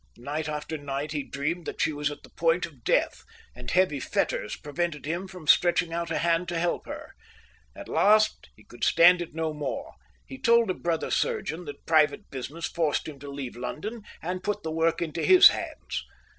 Night after night he dreamed that she was at the point of death, and heavy fetters prevented him from stretching out a hand to help her. At last he could stand it no more. He told a brother surgeon that private business forced him to leave London, and put the work into his hands.